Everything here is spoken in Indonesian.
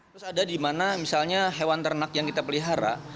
terus ada dimana misalnya hewan ternak yang kita pelihara